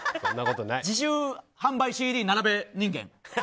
自主販売ＣＤ並べ人間。